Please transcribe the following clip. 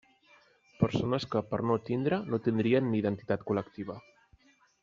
Persones que, per no tindre no tindrien ni identitat col·lectiva.